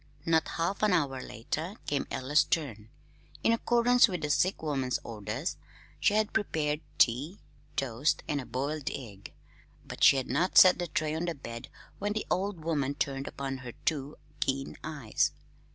Not half an hour later came Ella's turn. In accordance with the sick woman's orders she had prepared tea, toast, and a boiled egg; but she had not set the tray on the bed when the old woman turned upon her two keen eyes.